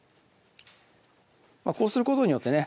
こうすることによってね